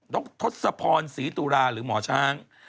กทศพรศรีตุลาหรือหมอช้าง